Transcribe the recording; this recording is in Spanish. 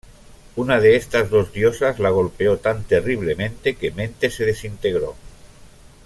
Una de estas dos diosas la golpeó tan terriblemente que Mente se desintegró.